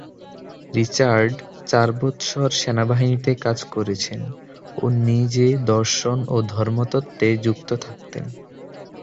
Richard চার বৎসর সেনাবাহিনীতে কাজ করেছেন ও নিজে দর্শন ও ধর্মতত্ত্বে যুক্ত থাকতেন।